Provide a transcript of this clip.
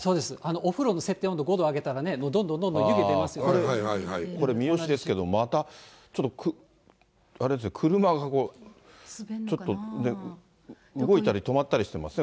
お風呂の設定温度５度上げたら、どんどんどんどんこれ、三次ですけれども、またちょっと、あれですね、車がこう、ちょっと動いたり止まったりしてますね。